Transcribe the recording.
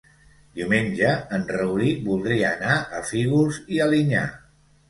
Diumenge en Rauric voldria anar a Fígols i Alinyà.